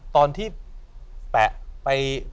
ตอนที่แปะไป